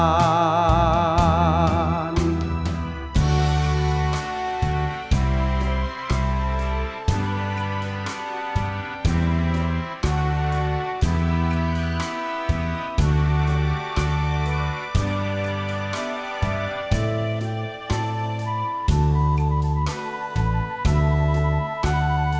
อันนี้